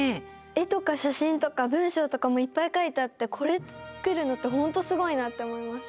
絵とか写真とか文章とかもいっぱい書いてあってこれ作るのって本当すごいなって思いました。